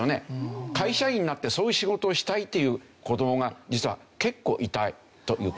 会社員になってそういう仕事をしたいっていう子どもが実は結構いたという事。